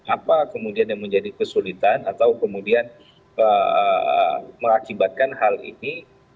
apa kemudian yang menjadi kesulitan atau kemudian mengakibatkan hal ini